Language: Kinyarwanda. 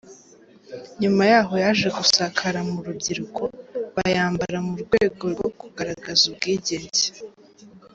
Nyuma yaho yaje gusakara mu rubyiruko bayambara mu rwego rwo kugaragaza ubwigenge.